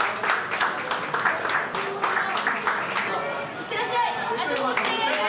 いってらっしゃい！